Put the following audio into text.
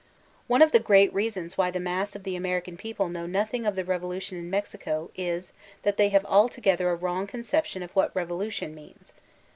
One of the great reasons why the mass of the Ameri can people know nothing of the Revolution in Mexico, is, that they have altogether a wrong conception of what ''revolution" means.